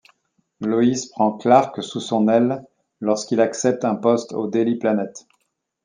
Lois prend Clark sous son aile lorsqu'il accepte un poste au Daily Planet.